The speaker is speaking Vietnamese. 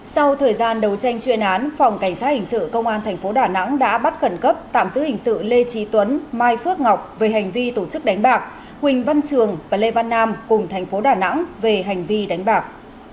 sau thời gian đấu tranh chuyên án phòng cảnh sát hình sự công an thành phố đà nẵng đã bắt khẩn cấp tạm giữ hình sự lê trí tuấn mai phước ngọc về hành vi tổ chức đánh bạc huỳnh văn trường và lê văn nam cùng tp đà nẵng về hành vi đánh bạc